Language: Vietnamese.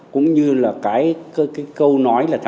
cũng như là cái câu nói là